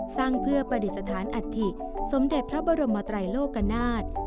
สร้างเพื่อประดิษฐานอัฐิสมเด็จพระบรมไตรโลกนาฏ